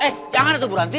eh jangan tuh berhenti